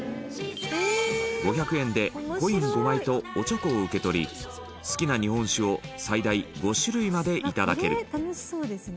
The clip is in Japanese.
５００円で、コイン５枚とおちょこを受け取り好きな日本酒を最大５種類までいただける羽田：楽しそうですね。